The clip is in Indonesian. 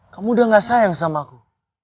kamu udah gak sayang sama aku